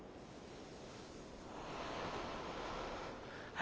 あ。